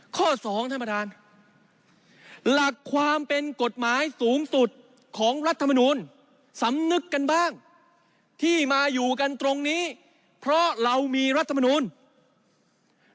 ข้อสองท่านประธานหลักความเป็นกฎหมายสูงสุดของรัฐมนูลสำนึกกันบ้างที่มาอยู่กันตรงนี้เพราะเรามีรัฐมนูล